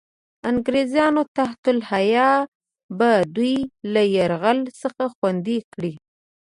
انګرېزانو تحت الحیه به دوی له یرغل څخه خوندي کړي.